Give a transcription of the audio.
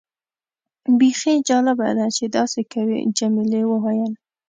بیخي جالبه ده چې داسې کوي. جميلې وويل:.